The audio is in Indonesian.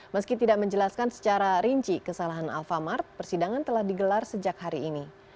meski tidak menjelaskan secara rinci kesalahan alfamart persidangan telah digelar sejak hari ini